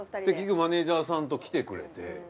結局マネージャーさんと来てくれて。